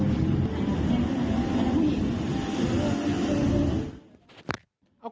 อ่ะใช่ครับ